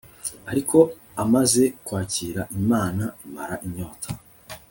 ariko amaze kwakira imana imara inyota